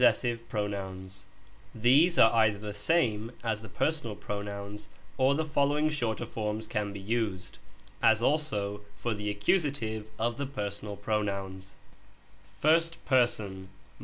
POSSESSIVE PRONOUNS. These are either the same as the personal pronouns or the following shorter forms can be used, us also for the accusative of the personal pronouns : ist pers. .